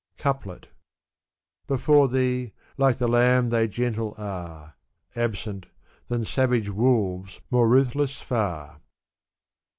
Couplet. Before thee like the lamb they gentle are : Absent, than savage wolves more ruthless far.